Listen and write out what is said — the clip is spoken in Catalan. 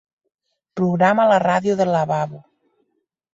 Programa la ràdio del lavabo.